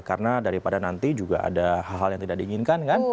karena daripada nanti juga ada hal hal yang tidak diinginkan kan